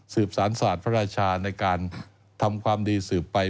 สารศาสตร์พระราชาในการทำความดีสืบไป